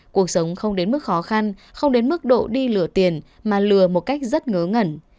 cuộc sống không đến mức khó khăn không đến mức độ đi lửa tiền mà lừa một cách rất ngớ ngẩn